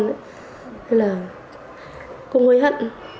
thế là cũng hối hận